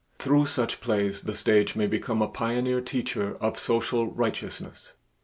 Through such plays the stage may become a pioneer teacher of social righteousness.